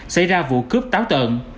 xảy ra vụ cướp táo tợn